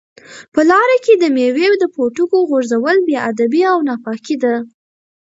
په لاره کې د مېوې د پوټکو غورځول بې ادبي او ناپاکي ده.